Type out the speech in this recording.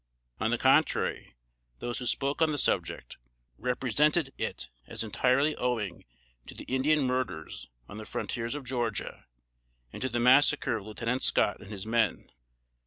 On the contrary, those who spoke on the subject, represented it as entirely owing to the Indian murders on the frontiers of Georgia, and to the massacre of Lieutenant Scott and his men.